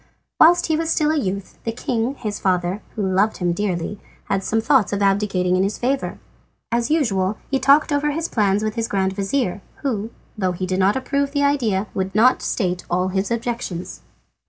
Whilst he was still a youth the king, his father, who loved him dearly, had some thoughts of abdicating in his favour. As usual he talked over his plans with his grand vizir, who, though he did not approve the idea, would not state all his objections.